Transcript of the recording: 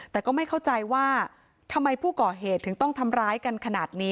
แต่ก็ไม่เข้าใจว่าทำไมผู้ก่อเหตุถึงต้องทำร้ายกันขนาดนี้